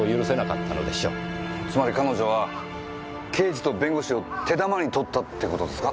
つまり彼女は刑事と弁護士を手玉にとったって事ですか？